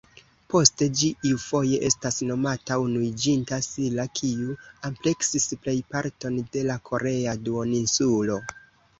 Poste, ĝi iufoje estas nomata Unuiĝinta Silla kiu ampleksis plejparton de la korea duoninsulo.